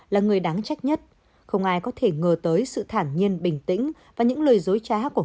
là người đáng trách nhất không ai có thể ngờ tới sự thản nhiên bình tĩnh và những lời dối trá của